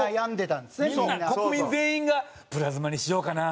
みんな国民全員が「プラズマにしようかな？